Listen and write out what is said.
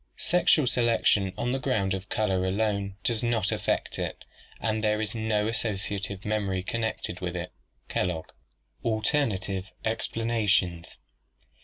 "Sexual selection on the ground of colour alone does not affect it, and there is no associative memory connected with it" (Kellogg). Alternative Explanations.